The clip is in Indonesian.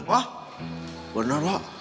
wah benar wak